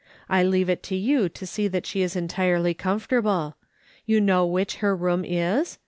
I leave it to you to see that she is entirely comfortable. You know which her room is